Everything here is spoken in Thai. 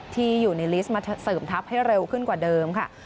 ที่อยู่ในลิสต์มาเสริมทัพให้เร็วขึ้นกว่าเดิมค่ะ